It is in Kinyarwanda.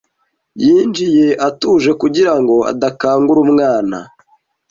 Yinjiye atuje kugira ngo adakangura umwana.